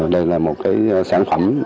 đây là một sản phẩm